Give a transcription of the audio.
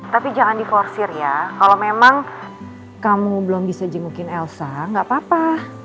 tapi jangan diporsir ya kalau memang kamu belum bisa jemukin elsa gak apa apa